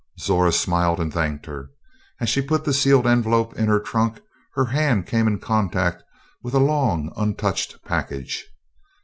Zora smiled and thanked her. As she put the sealed envelope in her trunk her hand came in contact with a long untouched package.